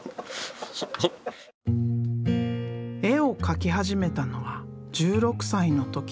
絵を描き始めたのは１６歳の時。